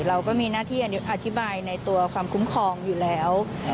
เราก็มีหน้าที่อธิบายในตัวความคุ้มครองอยู่แล้ว